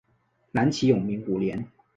南齐永明五年。